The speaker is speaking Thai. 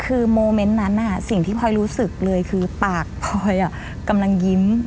คือโมเมนต์นั้นสิ่งที่พลอยรู้สึกเลยคือปากพลอยกำลังยิ้ม